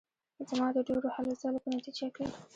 زما د ډېرو هلو ځلو په نتیجه کې.